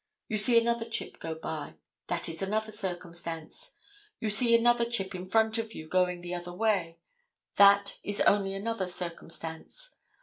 You see another chip go by. That is another circumstance. You see another chip in front of you going the other way. That is only another circumstance.